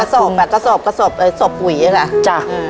กระสอบกระสอบกระสอบกระสอบหวีอะค่ะ